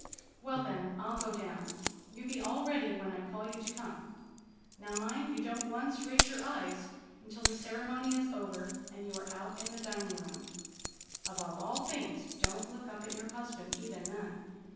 "Well, then, I'll go down. You be all ready when I call you to come. Now, mind you don't once raise your eyes until the ceremony is over and you are out in the dining room. Above all things, don't look up at your husband even then.